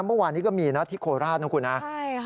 เมื่อวานนี้ก็มีนะที่โคราชนะคุณนะ